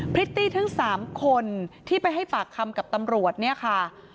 พริตตี้ทั้ง๓คนที่ไปให้ปากคำกับตำรวจเนี่ยค่ะ